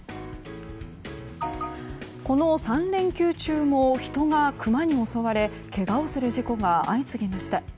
この３連休中も人がクマに襲われけがをする事故が相次ぎました。